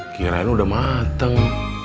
kirain udah mateng